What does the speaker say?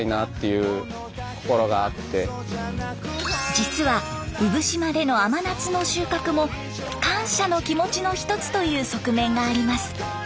実は産島での甘夏の収穫も感謝の気持ちの一つという側面があります。